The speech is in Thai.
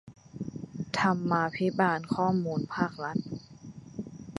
ธรรมาภิบาลข้อมูลภาครัฐ